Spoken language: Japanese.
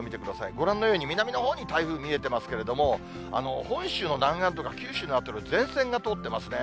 ご覧のように、南のほうに台風、見えてますけれども、本州の南岸とか、九州の辺りは前線が通ってますね。